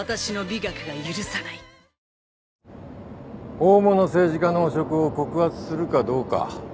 大物政治家の汚職を告発するかどうか。